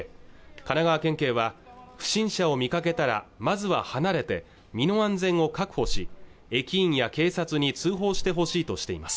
神奈川県警は不審者を見かけたらまずは離れて身の安全を確保し駅員や警察に通報してほしいとしています